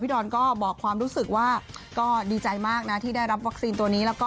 พี่ดอนก็บอกความรู้สึกว่าดีใจมากที่ได้รับการฉีดวัคซีนตัวนี้